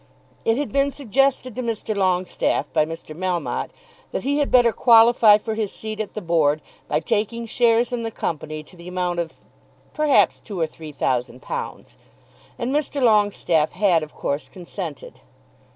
It had been suggested to Mr. Longestaffe by Mr. Melmotte that he had better qualify for his seat at the Board by taking shares in the Company to the amount of perhaps two or three thousand pounds, and Mr. Longestaffe had of course consented.